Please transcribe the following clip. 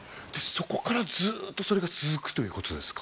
そこからずーっとそれが続くということですか？